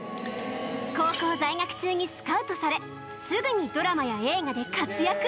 高校在学中にスカウトされすぐにドラマや映画で活躍